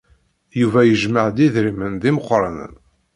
Yuba yejmeɛ-d idrimen d imeqranen.